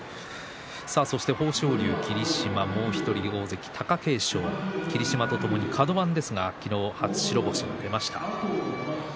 そして豊昇龍、霧島もう１人、大関貴景勝霧島とともにカド番ですが昨日、初白星が出ました。